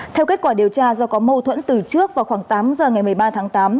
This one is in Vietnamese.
theo kết quả điều tra do có mâu thuẫn từ trước vào khoảng tám giờ ngày một mươi ba tháng tám